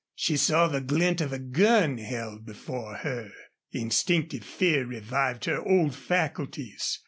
She saw the glint of a gun held before her. Instinctive fear revived her old faculties.